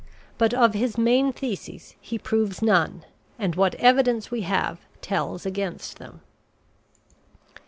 But of his main theses he proves none, and what evidence we have tells against them.